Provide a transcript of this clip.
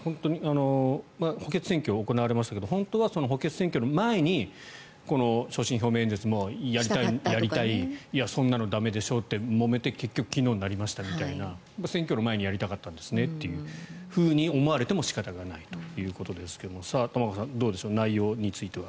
補欠選挙が行われましたけど本当はその補欠選挙の前に所信表明演説もやりたいいや、そんなの駄目でしょともめて結局昨日になりましたみたいな選挙の前にやりたかったんですねと思われても仕方がないということですけれど玉川さん、どうでしょう内容については。